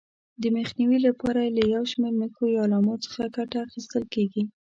د مخنیوي لپاره له یو شمېر نښو یا علامو څخه ګټه اخیستل کېږي.